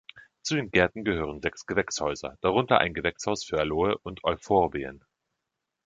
Zu den Gärten gehören sechs Gewächshäuser, darunter ein Gewächshaus für Aloe und Euphorbien.